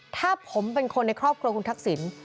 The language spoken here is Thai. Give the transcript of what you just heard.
ถ้าผมเป็นคนในครอบครัวคุณทักษิณ